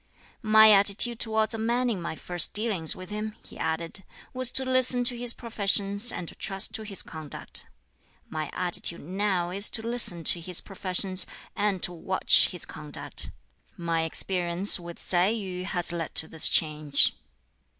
"My attitude towards a man in my first dealings with him," he added, "was to listen to his professions and to trust to his conduct. My attitude now is to listen to his professions, and to watch his conduct. My experience with Tsai Yu has led to this change.